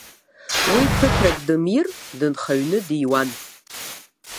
Уи ԥыҭрак дымир, дынхаҩны диуан!